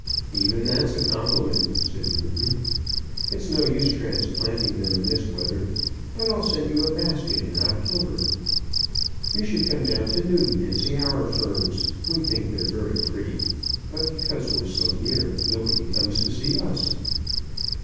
"Even that's a compliment," said Newton. "It's no use transplanting them in this weather, but I'll send you a basket in October. You should come down to Newton and see our ferns. We think we're very pretty, but because we're so near, nobody comes to see us."